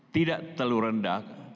tidak terlalu rendah